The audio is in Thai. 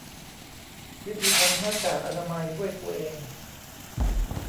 วิธีทำหน้ากากอนามัยด้วยตัวเอง